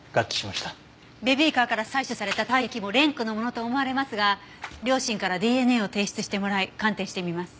ベビーカーから採取された体液も蓮くんのものと思われますが両親からＤＮＡを提出してもらい鑑定してみます。